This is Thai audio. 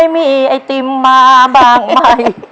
มีไอติมมาบางมาย